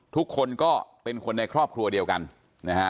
ทุกคนก็เป็นคนในครอบครัวเดียวกันนะฮะ